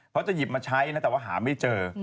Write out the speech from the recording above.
จะหยิบมาใช้นะแต่ว่าหาไม่เจอ